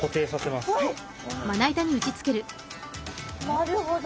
なるほど。